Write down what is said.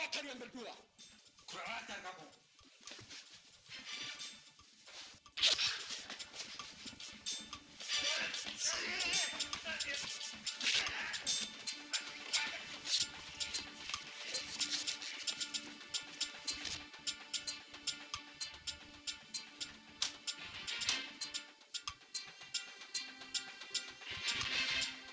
kalian tidak bisa menikmati gua